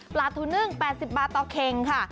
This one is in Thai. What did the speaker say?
ปลาทูนึ่ง๘๐บาทต่อเข่งค่ะ